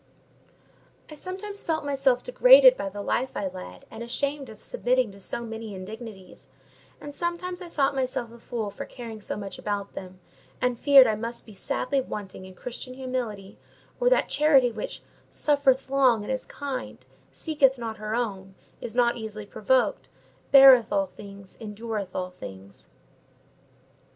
I sometimes felt myself degraded by the life I led, and ashamed of submitting to so many indignities; and sometimes I thought myself a fool for caring so much about them, and feared I must be sadly wanting in Christian humility, or that charity which "suffereth long and is kind, seeketh not her own, is not easily provoked, beareth all things, endureth all things."